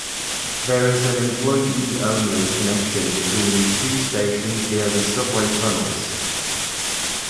There is an employee-only connection between the two stations via the subway tunnels.